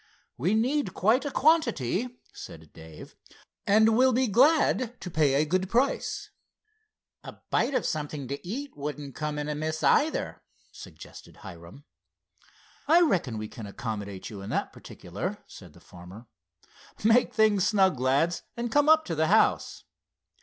"We need quite a quantity," said Dave, "and will be glad to pay a good price." "A bite of something to eat wouldn't come in amiss, either," suggested Hiram. "I reckon we can accommodate you in that particular," said the farmer. "Make things snug, lads, and come up to the house."